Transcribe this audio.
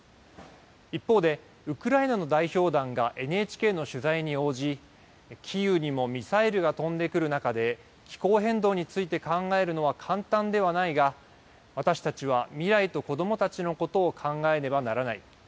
一方で、ウクライナの代表団がＮＨＫの取材に応じ、キーウにもミサイルが飛んでくる中で、気候変動について考えるのは簡単ではないが、私たちは未来と子どもたちのことを考えねばならない。